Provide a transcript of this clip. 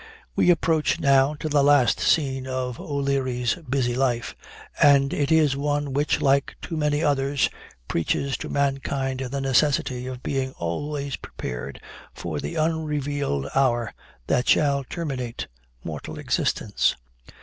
"We approach now to the last scene of O'Leary's busy life; and it is one which, like too many others, preaches to mankind the necessity of being always prepared for the unrevealed hour that shall terminate mortal existence.